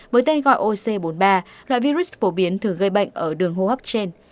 với tên gọi oc bốn mươi ba loại virus phổ biến thường gây bệnh ở đường hô hấp trên